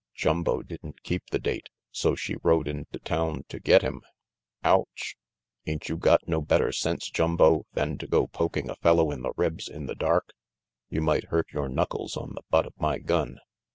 Jumbo didn't keep the date, so she rode into town to get him. Ouch! Ain't you got no better sense, Jumbo, RANGY PETE 213 than to go poking a fellow in the ribs in the dark? You might hurt yore knuckles on the butt of my gun."